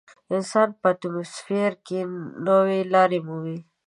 انسان به په اتموسفیر کې نوې لارې مومي.